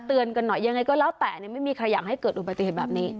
กันหน่อยยังไงก็แล้วแต่ไม่มีใครอยากให้เกิดอุบัติเหตุแบบนี้